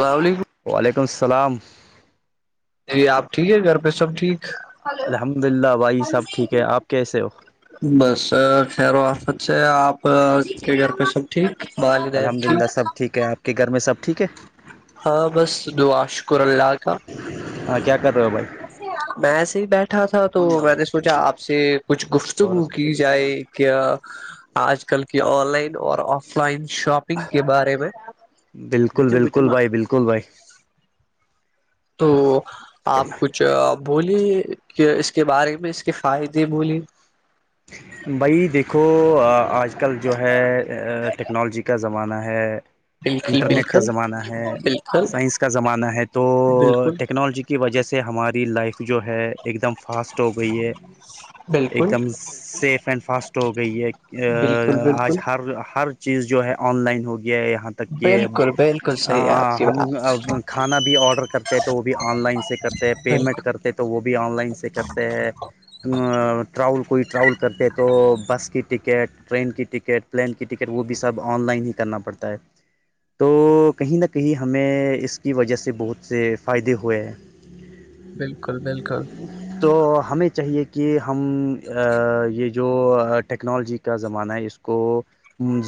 الل علیکم وعلیکم السلام جی آپ ٹھیک ہے گھر پہ سب ٹھیک الحمد للہ بھائی سب ٹھیک ہے آپ کیسے ہو بس خہیر آفت سے آپ کے گھر پہ سب ٹھیک بدہ ٹھیک کہ گھر میں سب ٹھیک ہے ہاں بس دعا شکر اللہ کا ہاں کیا کہتے ہو بھائی میںس ہی بیٹھا تھا تو میں نے سوچا آپ سے کچھ گفتگو کی جائے کیا آج کل کی آن لائن اور آف لائن شاپنگ کے بارے میں بالکل بالکل بھائی بالکل بھائی تو آپ کچھ جو بولی کہ اس کے بارے میں اس کے فائدے بولے بھائی دیکھو آج کل جو ہے ٹیکنالوجی کا زمانہ ہے بالکل انٹرنیٹ کا بالکل زمانہ ہے بالکل سائنس کا زمانہ ہے تو بالکل ٹیکنالوجی کی وجہ سے ہماری لائف جو ہے ایک دم فاسٹ ہو گئی ہے ایک بالکل دم سیف اینڈ فاسٹ ہو گئی ہے بالکل آج بالکل ہر ہ ہر چیز جو ہے آن لائن ہو گیا ہے یہاں تک کہ بالکل بالکل صحیح ہے ہاں آپ کی ہم بات کھانا بھی آڈر کرتے ہیں تو وہ بھی آن لائن سے کرتے پیمنٹ کرتے تو وہ بھی آن لائن سے کرتے ہیں ٹاول کوئی ٹراول کو کرتے تو بس کی ٹکٹ ٹرین کی ٹکٹ پلین کی ٹکٹ وہ بھی سب آن لائن ہی کرنا پڑتا ہے تو کہیں نہ کہیں ہمیں اس کی وجہ سے بہت سے فائدے ہوئے بالکل بالکل تو ہمیں چاہیے کہ ہم یہ جو ٹیکنالوجی کا زمانہ ہے اس کو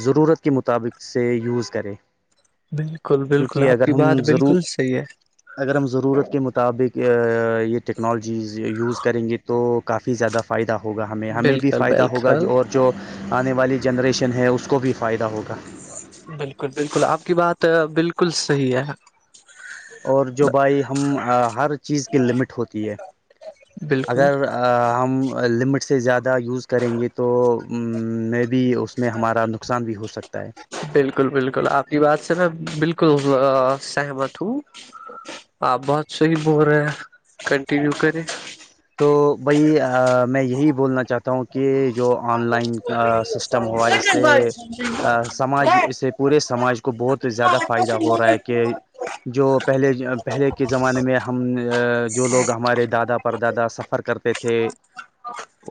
ضرورت کے مطابق سے یوز کریں بالکل بالکل کیونکہ آپ اگر کی بات ہم ضرور بالکل صحیح ہے اگر ہم ضرورت کے مطابق یہ ٹیکنالوجیز یوز کریں گے تو کافی زیادہ فائدہ ہوگا ہمیں ہے ہمیں بھی بالکل فائدہ ہوگا بالکل جو اور جو آنے والی جنریشن ہے اس کو بھی فائدہ ہوگا بالکل بالکل آپ کی بات بالکل صحیح ہے اور جو بھائی ہم ہر چیز کی لمٹ ہوتی ہے بالکل اگر ہم لمٹ سے زیادہ یوز کریں گے تو م بھی اس اس میں ہمارا نقصان بھی ہو سکتا ہے بالکل بالکل آپ کی بات سے میں بالکل سہمت ہوں آپ بہت صحیح بول رہے ہیں کنٹینیو کریں تو بھائی میں یہی بولنا چاہتا ہوں کہ جو آن لائن سسٹم ہوا اس سے سماج اس سے پورے سماج اس کو بہت زیادہ فائدہ ہو رہا ہے کہ جو پہلے پہلے کے زمانے میں ہم جو لوگ ہمارے دادا پرد زیادہ سفر کرتے تھ تھے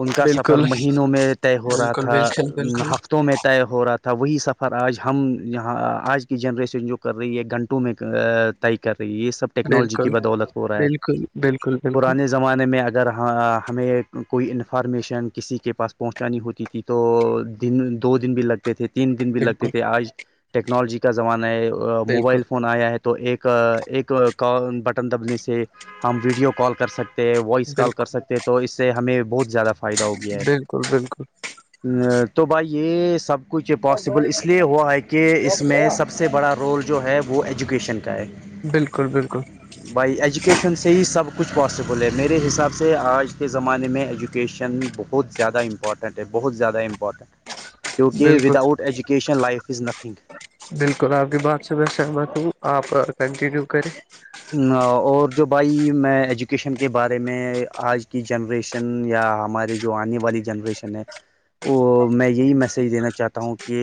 ان کا سفر بالکل بالکل مہینوں میں طے ہو رہا تھا بالکل بالکل بالکل ہفتوں میں طے ہو رہا تھا وہی سفر آج ہم یہاں آج کی جنریشن جو کر رہی ہے گھنٹوں میں کر رہی ہے یہ سب ٹیکنالوجی کی بالکل بدولت ہو رہا ہے بالکل بالکل پرانے زمانے میں اگر ہمیں کوئی انفارمیشن کسی کے پاس پہنچانی ہوتی تھی تو دن دو دن بھی لگ تھے تین دن بھی لگتے بالکل تھے آج ٹیکنالوجی کا زمانہ ہے بالکل موبائل فون آیا ہے تو تو ایک ایک بٹن دبنے سے ہم ویڈیو کال کر سکتے وائس کال کر بالکل سکتے ہیں تو اس سے ہمیں بہت زیادہ فائدہ ہو گیا ہے بالکل بالکل تو بھائی یہ سب کچھ پاسبل اس لیے ہوا ہے کہ اس میں سب سے بڑا رول جو ہے وہ ایجوکیشن کا ہے بالکل بالکل بھائی ایجوکیشن سے ہی سب کچھ پاسبل بولے میرے حساب سے آج کے زمانے میں ایجوکیشن بہت زیادہ امپارٹنٹ ہے بہت زیادہ امپورٹنٹ [inaudible] کیونکہ ود بالکل out education life is nothing بالکل آپ کی بات سے میں سہمت ہوں آپ اور کنٹینیو کریں اور جو بھائی میں ایجوکیشن کے بارے میں آج کی جنریشن یا ہمارے جو آنے والی جنریشن ہے وہ میں یہی میسج دینا چاہتا ہوں کہ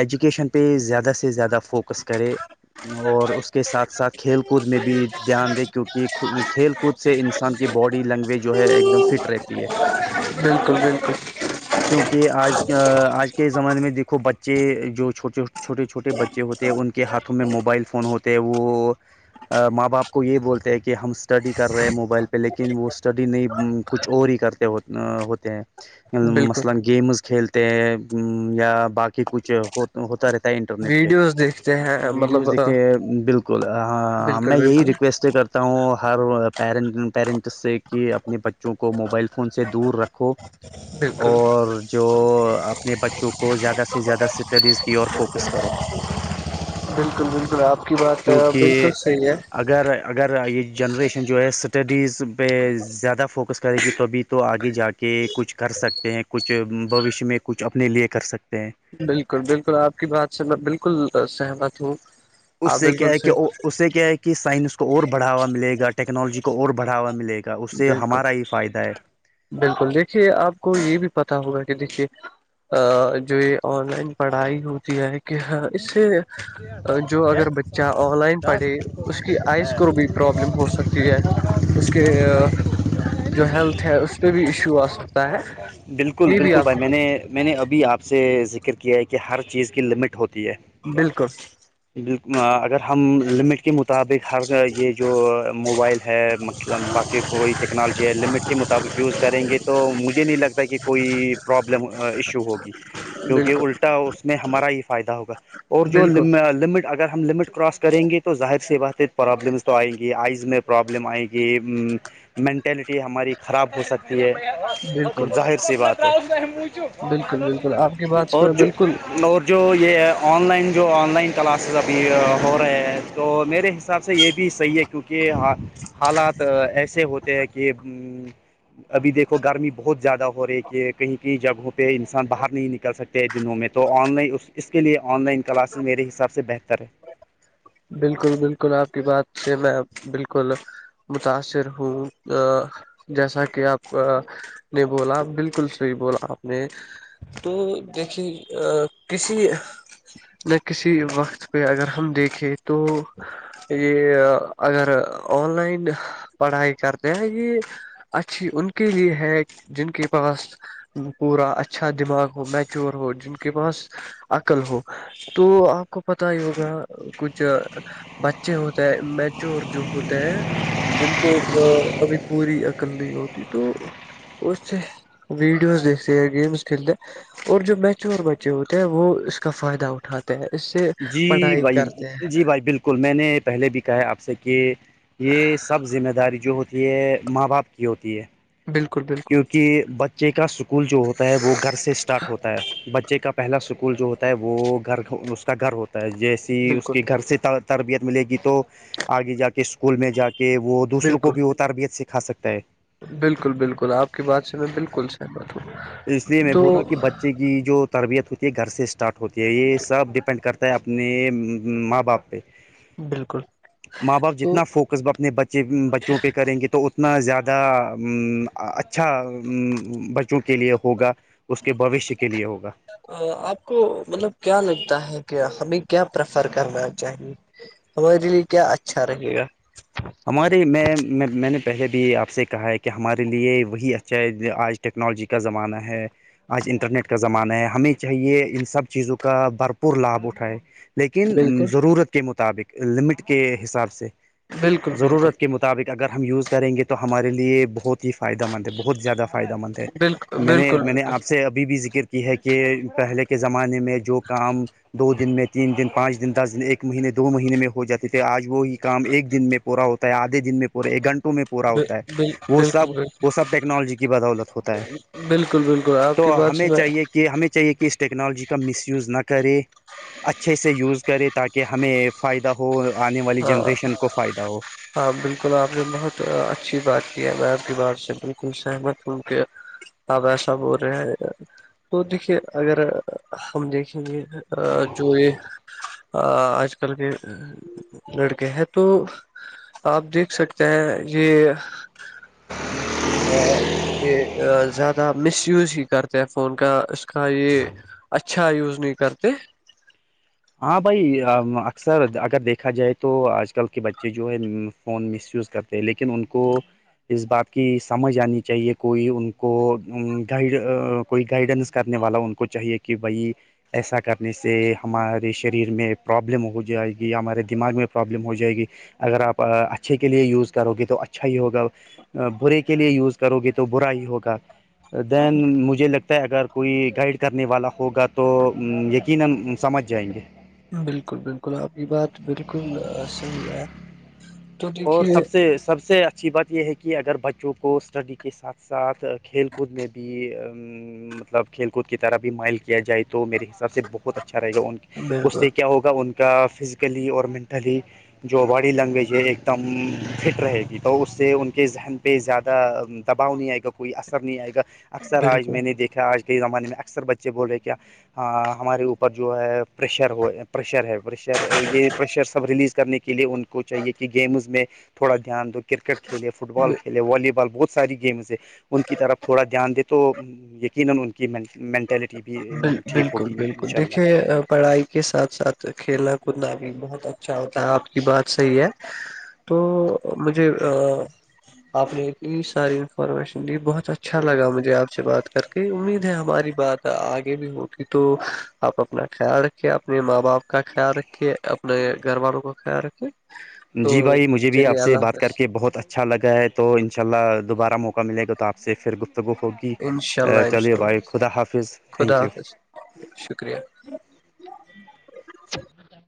ایجوکیشن پہ زیادہ سے زیادہ فوکس کرے اور اس کے ساتھ ساتھ کھیل کود میں بھی دھیان دے کیونکہ کھیل کود سے انسان کی باڈی لینگویج جو ہے ایک دم فٹ رہتی تی ہے بالکل بالکل کیونکہ آج آج کے زمانے میں دیکھو بچے جو چھوٹے چھوٹ چھوٹے چھوٹے بچے ہوتے ہیں ان کے ہاتھوں میں موبائل فون ہوتے ہیں وہ ماں باپ کو یہ بولتے ہیں کہ ہم اسٹڈی کر رہے ہیں موبائل پہ لیکن وہ اسٹڈی نہیں کچھ اور ہی کرتے ہوتے ا ہوتے ہیں بالکل مثلا گیمز کھیلتے ہیں یا باقی کچھ ہو ہوتا رہتا ہے انٹرنیٹ پہ ویڈیوز دیکھتے ہیں مطلب ویڈیوز دیکھے بالکل ہاں بالکل میں یہی بالکل ریکویسٹ کرتا تا ہوں ہر پیرن پیرنٹس سے کہ اپنے بچوں کو موبائل فون سے دور رکھو بالکل اور جو اپنے بچوں کو زیادہ سے زیادہ اسٹڈیز کی اور فوکس کرو بالکل بالکل آپ کی بات بالکل کیونکہ صحیح ہے اگر اگر یہ جنریشن جو ہے اسٹڈیز پہ زیادہ فوکس کرے گی کبھی تو آگے جا کے کچھ کر سکتے ہیں کچھ بھشیہ میں کچھ اپنے لیے کر سکتے ہیں بالکل بالکل آپ کی بات سے میں بالکل سہمت ہوں اس آپ سے کیا بالکل ہے کہ اس سے کیا ہے کہ سائنس کو اور بڑھاوا ملے گا ٹیکنالوجی کو اور بڑھاوا ملے گا کا اس سے بالکل ہمارا ہی فائدہ ہے بالکل دیکھیے آپ کو یہ بھی پتا ہوگا کہ دیکھیے ا جو یہ آن لائن پڑھائی ہوتی ہے کہ اس سے جو اگر بچہ آن لائن پڑھے اس کی آئز کو بھی پرابلم ہو سکتی ہے اس کے جو ہیلتھ ہے اس پہ بھی ایشو آ سکتا ہے بالکل یہ بھی بالکل آپ بھائی میں کو نے میں نے ابھی آپ سے ذکر کیا ہے کہ ہر چیز کی لمٹ ہوتی ہے بالکل بالک اگر ہم لمٹ کے مطابق ہر یہ جو موبائل ہے مطلب باقی کوئی ٹیکنالوجی ہے لمٹ کے مطابق یوز کریں گے تو مجھے نہیں لگتا کہ کوئی پرابلم ایشو ہوگی کیونکہ بالکل الٹا اس میں ہمارا ہی فائدہ ہوگا اور جو بالکل لمٹ اگر ہم لمٹ کراس کریں گے تو ظاہر سے بات پرابلمس تو آئیں گی آئز میں پرابلم آئیں گی مینٹلٹی ہماری خراب ہو سکتی ہے بالکل ظاہر سی بات ہے بالکل بالکل آپ کی بات اور سے جو بالکل اور جو یہ ہے آن لائن جو آن لائن کلاسز ابھی ہو رہے ہیں تو میرے حساب سے یہ بھی صحیح ہے کیونکہ ہاں حالات ایسے ہوتے ہیں کہ ج [inaudible] ابھی دیکھو گرمی بہت زیادہ ہو رہی ہے ہے کہیں کہیں جگہوں پہ انسان باہر نہیں نکل سکتا ت دنوں میں تو آن لائن اس اس کے لیے آن لائن کلاسز میرے حساب سے بہتر ہے بالکل بالکل آپ کی بات سے میں بالکل متاثر ہوں جیسا کہ آپ کا نے بولا بالکل صحیح بولا آپ نے تو دیکھی ا کسی نہ کسی وقت پہ اگر ہم دیکھیں تو یہ اگر آن لائن پڑھائی کرتے ہیں یہ اچھی ان کے لیے ہے جن کے پاس پورا اچھا دماغ ہو میچور ہو جن کے پاس عقل ہو تو آپ کو پت ہی ہوگا کچھ جو بچے ہوتے ہیں میچور جو ہوتے ہیں جن کو ابھی پوری عقل نہیں ہوتی تو اسے ویڈیوز دیکتے ہیں گیمس کھیلتے اور جو میچور بچے ہوتے ہیں وہ اس کا فائدہ اٹھاتے اسے پڑھائی کرتے ہیں اسکل میں نے پہلے بھی کہا ہے آپ سے کہ یہ سب ذمہ داری جو ہوتی ہے ماں باپ کی ہوتی ہے بالکل بالکل کیونکہ بچ بچے کا سکول جو ہوتا ہے وہ گھر سے اسٹارٹ ہوتا ہے بچے کا پہلا سکول جو ہوتا ہے وہ گھر کا گھر ہوتا ہے جیسے اس بالکل کے گھر سے تربیت ملے گی تو آگے جا کے اسکول میں جا کے وہ دوسروں کو بالکل بھی وہ تربیت سکھا سکتا ہے بالکل بالکل آپ کی بات سے میں بالکل سہمت اس لیے ہوں میں تو بول رہا ہوں کہ بچے کی جو تربیت ہوتی ہے گھر سے اسٹارٹ ہوتی ہے یہ سب ڈیپینڈ کرتا ہے اپنے ماں باپ پہ بالکل ماں باپ تو جتنا فوک قصب اپنے بچے بچوں پہ کریں گے تو اتنا زیادہ اچھا بچوں کے لیے ہوگا اس کے بوشیہ کے لیے ہوگا آپ کو مطلب کیا لگتا ہے کہ ہمیں کیا پریفر کرنا چاہیے ہمارے لیے کیا اچھا رہے گا ہمارے میں میں نے پہلے بھی آپ سے کہا ہے کہ ہمارے لیے وہی اچھا آج ٹیکنالوجی کا زمانہ ہے آج انٹرنیٹ کا زمانہ ہے ہمیں چاہیے ان سب چیزوں کا بھرپور لابھ اٹھائے لیکن بالکل ضرورت کے مطابق لمٹ کے حساب سے بالکل بالکل ضرورت کے مطابق اگر ہم یوز کریں گے تو ہمارے لیے بہت ہی فائدہ مند ہے بہت زیادہ فائدہ مند ہے بالکل میں نے بالکل میں نے آپ سے ابھی بھی ذکر کی ہے کہ پہلے کے زمانے میں جو کام دو دن میں تین دن پانچ دن دس دن ایک مہینے دو مہینے میں ہو جاتے تھے آج وہی کام ایک دن میں پورا ہوتا ہے آدھے دن میں پورا ایک گھنٹوں میں پورا بالکل ہوتا ہے وہ سب بالکل بالکل وہ سب ٹیکنالوجی کی بدولت ہوتا ہے بالکل بالکل آپ تو کی بات ہمیں سے میں چاہیے کہ ہمیں چاہیے کہ اس ٹیکنالوجی کا مس یوز نہ کرے اچھے سے یوز کرے تاکہ ہمیں فائدہ ہو آنے والی ہاں جنریشن کو فائدہ ہو ہاں بالکل آپ نے بہت اچھی بات کیا میں آپ کی بار سے بالکل سہمت ہوں کہ اب ایسا ہو رہے ہے تو دیکھیے اگر ہم دیکھیں گے جو یہ آ اج کل کے لڑکے ہیں تو آپ دیکھ سکتے ہیں یہ جو ہے [unintelligible] یہ زیادہ مس یوز ہی کرتے ہیں فون کا اس کا یہ اچھا یوز نہیں کرتے ہاں بھائی اکثر اگر دیکھا جائے تو آج کل کے بچے جو ہے فون مس یوز کرتے ہیں لیکن ان کو اس بات کی سمجھ آنی چاہیے کوئی ان کو گائڈ کوئی گائیڈنس کرنے والا ان کو چاہیے کہ بھائی ایسا کرنے سے ہمار شریر میں پرابلم ہو جائے گی ہمارے دماغ میں پرابلم ہو جائے گی اگر آپ اچھے کے لیے یوز کرو گے تو اچھا ہی ہوگا برے کے لیے یوز کرو گے تو برا ہی ہوگا دین مجھے لگتا اگر کوئی گائڈ کرنے والا ہوگا تو یقینا سمجھ جائیں گے [unintelligible] بالکل بالکل آپ کی بات بالکل صحیح ہے تو اور دیکھیے سب سے سب سے اچھی بات یہ ہے کہ اگر بچوں کو اسٹڈی کے ساتھ ساتھ کھیل کود میں بھی مطلب کھیل کود کی طرح بھی مائل کیا جائے تو میرے حساب سے بہت بہت اچھا رہے گا ان اس بالکل سے کیا ہوگا ان کے کا فزیکلی اور مینٹلی جو باڈی لینگویج ہے ایک ایک دم فٹ رہے گی تو اس سے ان کے ذہن پہ زیادہ دباؤ نہیں آئے گا کوئی اثر نہیں آئے گا اکثر آج میں نے بالکل دیکھا آج کے ہی زمانے میں اکثر بچے بول رہے کیا ہ ہمارے اوپر جو ہے پریشر ہو پریشر ہے پشر یہ پریشر سب ریلیز کرنے کے لیے ان کو چاہیے کہ گیمز میں تھوڑا دھیان دو کرکٹ کھیلے فٹ بال کھیلے والی بال بہت ساری گیمز ہے ان کی طرف تھوڑا دھیان دیتے تو یقینن انکی منٹالیٹی بھی ٹھیک ہوگی انشاءاللہ پڑائی کے ساتھ ساتھ کھیلنا کودنا بھی بہت اچھا ہوتا ہے آپ کی بات صحیح ہے تو مجھے آپ نے اتنی ساری انفارمیشن دی بہت اچھا لگا مجھے آپ سے بات کر کے امید ہے ہماری بات آگے بھی ہوگ تو آپ اپنا خیال رکھے اپنے ماں باپ کا خیال رکھے [unintelligible] کہ اپنے گھر والوں کا خیال رکھے جی بھائی مجھے بھی آپ سے بات کر کے بہت اچھا اچھا لگا ہے تو ان شاء اللہ دوبارا موقع ملے گا تو آپسے پھر گپت تو وہ ہوگی انشاء اللہ چلیے انشاء اللہ بھائی خدا حافظ تھینک خدا یو حافظ شکریہ